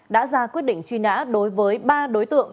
đã ra quyết định truy nã đối với ba đối tượng